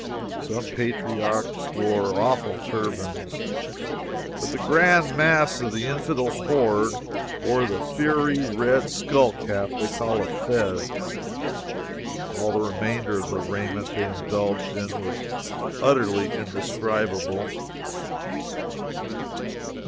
Some patriarchs wore awful turbans, but the grand mass of the infidel horde wore the fiery red skull cap they call a fez. All the remainder of the raiment they indulged in was utterly indescribable.